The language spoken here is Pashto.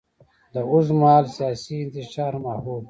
د اوږدمهاله سیاسي انتشار ماحول.